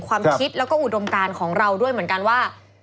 ความคิดแล้วก็อุดมการของเราด้วยเหมือนกันว่า